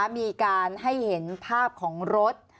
มีการให้เห็นภาพของรถ